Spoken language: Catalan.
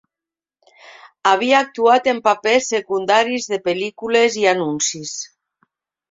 Havia actuat en papers secundaris de pel·lícules i anuncis.